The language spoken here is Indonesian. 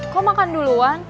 kok makan duluan